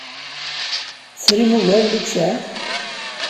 Tesrim ugar n littseɛ?